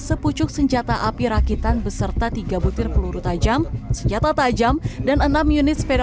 sepucuk senjata api rakitan beserta tiga butir peluru tajam senjata tajam dan enam unit sepeda